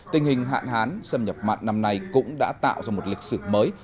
tình hình hạn hán xâm nhập mặn năm nay cũng đã tạo ra một lịch sử mới